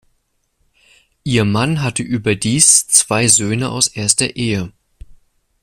Ihr Mann hatte überdies zwei Söhne aus erster Ehe.